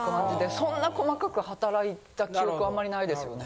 そんな細かく働いた記憶はあんまりないですよね。